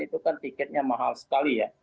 itu kan tiketnya mahal sekali ya